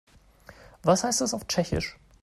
Was heißt das auf Tschechisch?